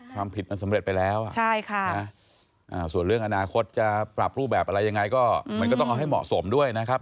ความผิดมันสำเร็จไปแล้วส่วนเรื่องอนาคตจะปรับรูปแบบอะไรยังไงก็มันก็ต้องเอาให้เหมาะสมด้วยนะครับ